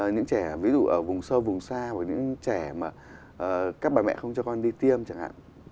những trẻ ví dụ ở vùng sâu vùng xa và những trẻ mà các bà mẹ không cho con đi tiêm chẳng hạn